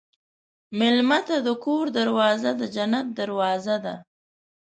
مېلمه ته د کور دروازه د جنت دروازه ده.